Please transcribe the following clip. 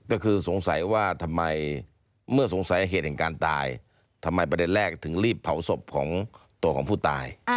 ก็คือสงสัยว่าทำไมเมื่อสงสัยเหตุแห่งการตายทำไมประเด็นแรกถึงรีบเผาศพของตัวของผู้ตาย